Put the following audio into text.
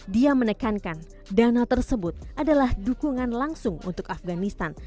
dia menekankan dana tersebut adalah dukungan langsung untuk afganistan